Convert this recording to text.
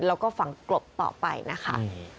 แล้วก็ฝังกลบต่อไปนะคะ